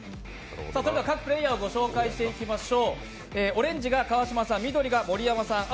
それでは各プレーヤーをご紹介していきましょう。